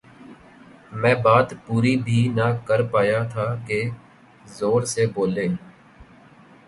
میں بات پوری بھی نہ کرپا یا تھا کہ زور سے بولے